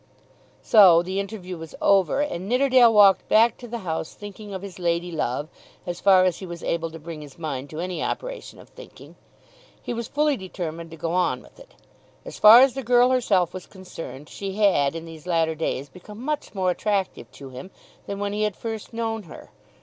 So the interview was over and Nidderdale walked back to the house thinking of his lady love, as far as he was able to bring his mind to any operation of thinking. He was fully determined to go on with it. As far as the girl herself was concerned, she had, in these latter days, become much more attractive to him than when he had first known her.